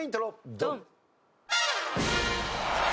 ドン！